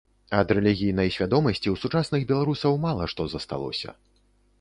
Ад рэлігійнай свядомасці ў сучасных беларусаў мала што засталося.